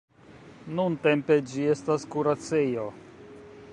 Nuntempe ĝi estas kuracejo.